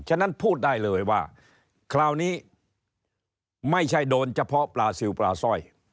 ฉะนั้นพูดได้เลยว่าคราวนี้ไม่ใช่โดนเฉพาะปลาซิลปลาสร้อย